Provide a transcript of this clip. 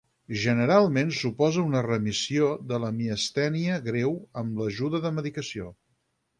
Generalment, suposa una remissió de la miastènia greu amb l'ajuda de medicació.